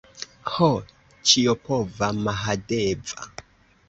Ho, ĉiopova Mahadeva!